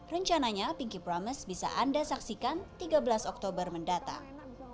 rencananya pinky promes bisa anda saksikan tiga belas oktober mendatang